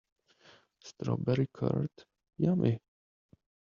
Strawberry curd, yummy!